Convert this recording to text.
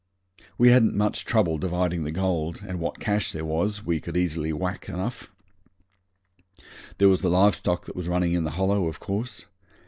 We hadn't much trouble dividing the gold, and what cash there was we could whack easy enough. There was the live stock that was running in the Hollow, of course.